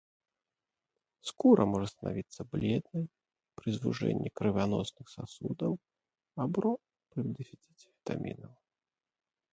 Скура можа станавіцца бледнай пры звужэнні крывяносных сасудаў або пры дэфіцыце вітамінаў.